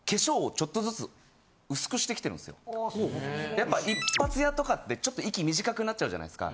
やっぱ一発屋とかってちょっと息短くなっちゃうじゃないですか。